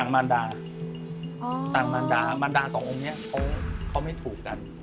พระยาน่างไม่ถูกกัน